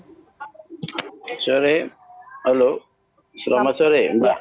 selamat sore halo selamat sore mbak